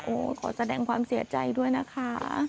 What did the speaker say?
ขอแสดงความเสียใจด้วยนะคะ